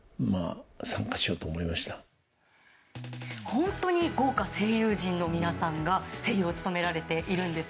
本当に豪華声優陣の皆さんが声優を務められているんです。